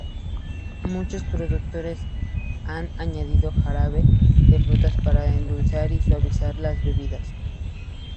Muchos productores han añadido jarabe de frutas para endulzar y suavizar la bebida.